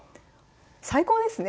最高ですね。